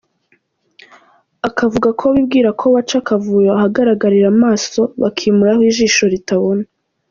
Akavuga ko bibwira ko baca akavuyo ahagaragarira amaso, bakimurira aho ijisho ritabona.